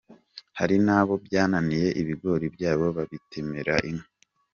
Hari n’abo byananiye ibigori byabo babitemera inka”.